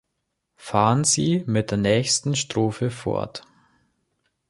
Fahren Sie mit der nächsten Strophe fort.